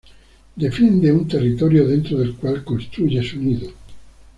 Defiende un territorio dentro del cual construye su nido.